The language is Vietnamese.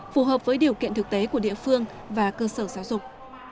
phù hợp với điều kiện thực tế của địa phương và cơ sở giáo dục